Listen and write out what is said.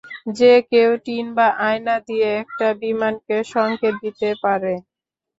যে কেউ টিন বা আয়না দিয়ে একটা বিমানকে সংকেত দিতে পারে।